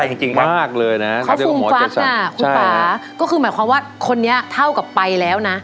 แล้วฟูมฟักนะครูป่าก็คือหมายความว่าคนนี้เท่ากับไปแล้วนะ